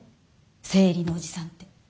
生理のおじさんって。